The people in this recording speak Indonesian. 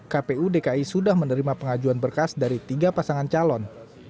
kpu dki sudah menerima pengajuan berkas dari tiga pasangan calon